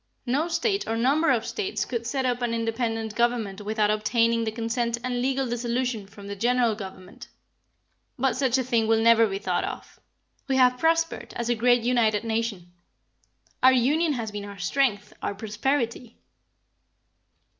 No State or number of States could set up an independent government without obtaining the consent and legal dissolution from the General Government. But such a thing will never be thought of. We have prospered as a great united Nation. Our union has been our strength, our prosperity."